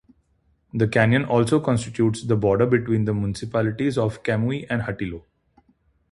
The canyon also constitutes the border between the municipalities of Camuy and Hatillo.